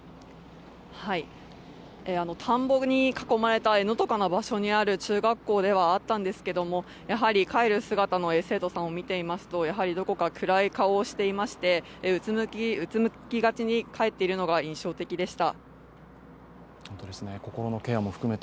田んぼに囲まれた、のどかな中学校ではあったと思いますがやはり帰る姿の生徒さんを見ているとどこか暗い顔をしていまして、うつむきがちに帰っているのが印象的でした。